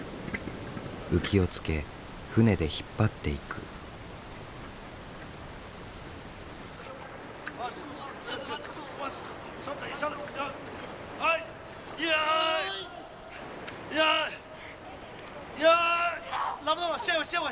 浮きをつけ船で引っ張っていく。よ！よ！よ！